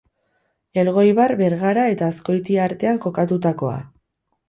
Elgoibar, Bergara eta Azkoitia artean kokatutakoa.